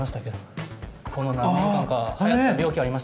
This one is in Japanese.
この何年間かはやった病気ありましたけど。